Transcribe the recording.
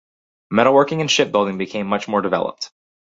Metalworking and shipbuilding became much more developed.